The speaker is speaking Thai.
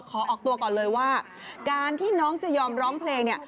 ขอออกตัวก่อนเลยว่าการที่น้องจะยอมร้องเพลงเนี่ย